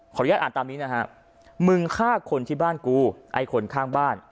อนุญาตอ่านตามนี้นะฮะมึงฆ่าคนที่บ้านกูไอ้คนข้างบ้าน